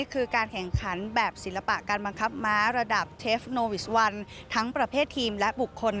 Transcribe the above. คือการแข่งขันแบบศิลปะการบังคับม้าระดับเทฟโนวิสวันทั้งประเภททีมและบุคคล